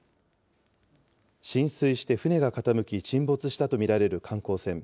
浸水して船が傾き、沈没したと見られる観光船。